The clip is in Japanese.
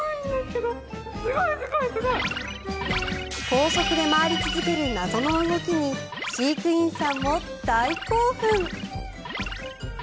高速で回り続ける謎の動きに飼育員さんも大興奮。